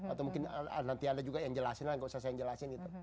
atau mungkin nanti ada juga yang jelasin lah